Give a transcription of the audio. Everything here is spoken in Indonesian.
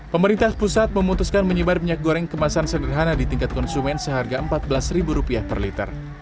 pemerintah pusat memutuskan menyebar minyak goreng kemasan sederhana di tingkat konsumen seharga rp empat belas per liter